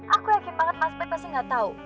aku yakin banget mas bek pasti gak tau